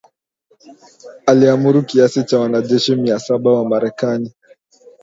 aliamuru kiasi cha wanajeshi mia saba wa Marekani